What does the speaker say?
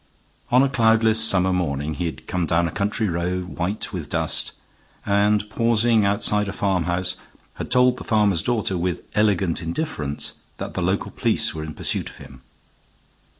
On a cloudless summer morning he had come down a country road white with dust, and, pausing outside a farmhouse, had told the farmer's daughter, with elegant indifference, that the local police were in pursuit of him.